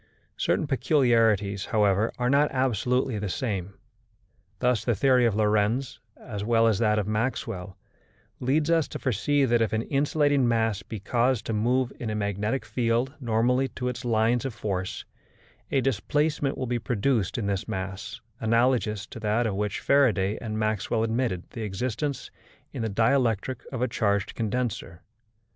Certain peculiarities, however, are not absolutely the same. Thus the theory of Lorentz, as well as that of Maxwell, leads us to foresee that if an insulating mass be caused to move in a magnetic field normally to its lines of force, a displacement will be produced in this mass analogous to that of which Faraday and Maxwell admitted the existence in the dielectric of a charged condenser.